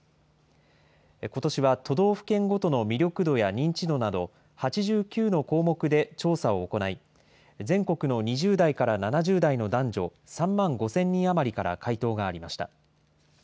ことしは都道府県ごとの魅力度や認知度など、８９の項目で調査を行い、全国の２０代から７０代の男女３万５０００人余りから回答がありました。